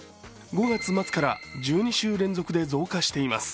５月末から１２週連続で増加しています。